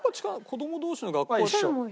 子ども同士の学校は？